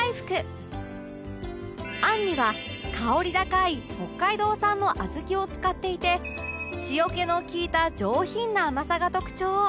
あんには香り高い北海道産の小豆を使っていて塩気の効いた上品な甘さが特徴